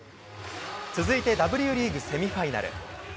続いて、Ｗリーグセミファイナル。